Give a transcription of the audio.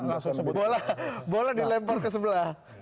langsung boleh dilempar ke sebelah